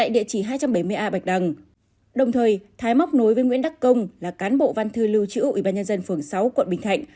đồng thời thái móc nối với nguyễn đắc công là cán bộ văn thư lưu trữ ủy ban nhân dân phường sáu quận bình thạnh